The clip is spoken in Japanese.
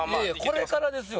これからですよ